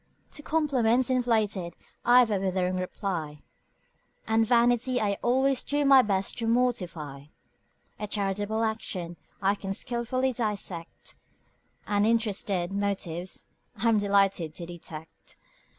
To compliments inflated I've a withering reply; And vanity I always do my best to mortify; A charitable action I can skilfully dissect: And interested motives I'm delighted to detect.